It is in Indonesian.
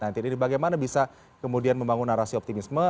jadi bagaimana bisa kemudian membangun narasi optimisme